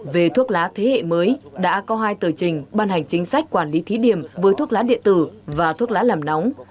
về thuốc lá thế hệ mới đã có hai tờ trình ban hành chính sách quản lý thí điểm với thuốc lá điện tử và thuốc lá làm nóng